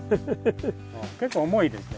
結構重いですね。